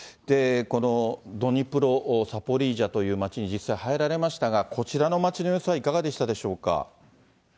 ドニプロ、ザポリージャという街に実際入られましたが、こちらの街の様子はいかがでしたでしょうか？